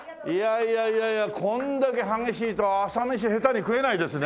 いやいやいやこんだけ激しいと朝メシ下手に食えないですね。